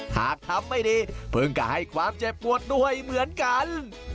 หากทำไม่ดีเพิ่งก็ให้ความเจ็บปวดด้วยเหมือนกัน